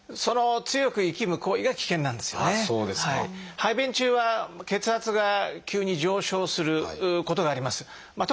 排便中は血圧が急に上昇することがあります。